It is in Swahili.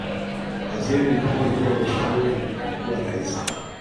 Waziri Mkuu ndiye mshauri mkuu wa Raisi